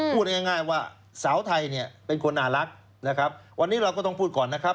พูดง่ายว่าสาวไทยเนี่ยเป็นคนน่ารักนะครับวันนี้เราก็ต้องพูดก่อนนะครับ